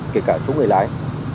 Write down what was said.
kể cả chỗ người lái